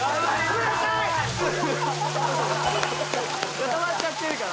固まっちゃってるから。